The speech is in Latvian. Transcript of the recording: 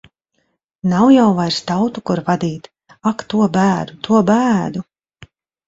Nav jau vairs tautu, kur vadīt. Ak, to bēdu! To bēdu!